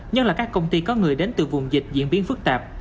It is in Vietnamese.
nhất là các công ty có người đến từ vùng dịch diễn biến phức tạp